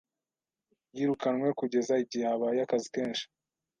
Yirukanwe kugeza igihe habaye akazi kenshi